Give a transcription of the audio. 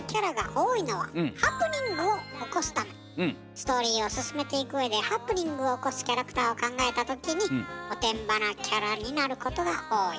ストーリーを進めていくうえでハプニングを起こすキャラクターを考えた時におてんばなキャラになることが多い。